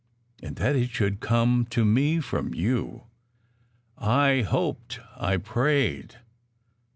"And that it should come to me from you!" "I hoped I prayed."